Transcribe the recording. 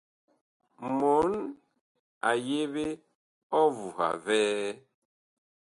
Mɔɔn a yeɓe ɔvuha vɛɛ.